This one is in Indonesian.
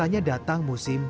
ya paling tidak